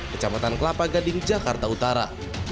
kecamatan kelapa gading jakarta utara